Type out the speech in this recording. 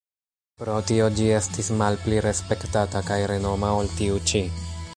Pro tio ĝi estis malpli respektata kaj renoma ol tiu ĉi.